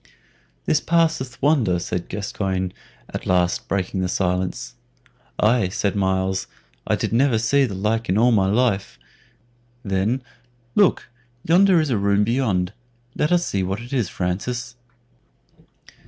"This passeth wonder," said Gascoyne, at last breaking the silence. "Aye," said Myles, "I did never see the like in all my life." Then, "Look, yonder is a room beyond; let us see what it is, Francis."